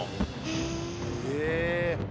へえ。